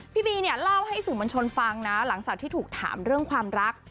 พี่บีเนี่ยเล่าให้สื่อมวลชนฟังนะหลังจากที่ถูกถามเรื่องความรัก